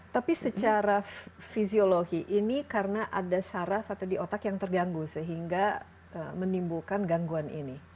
tapi secara fisiologi ini karena ada syaraf atau di otak yang terganggu sehingga menimbulkan gangguan ini